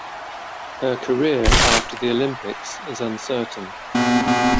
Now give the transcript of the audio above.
Her career after the Olympics is uncertain.